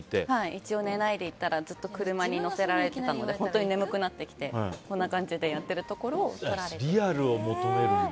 一応、寝ないで行ったらずっと車に乗せられていたので本当に眠くなってきてこんな感じでやってるところをリアルを求めるんだ。